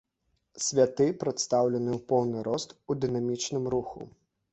Святы прадстаўлены ў поўны рост, у дынамічным руху.